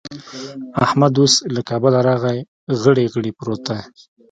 احمد اوس له کابله راغی؛ غړي غړي پروت دی.